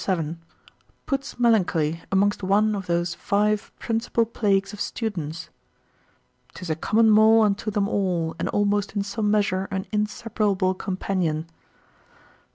7, puts melancholy amongst one of those five principal plagues of students, 'tis a common Maul unto them all, and almost in some measure an inseparable companion.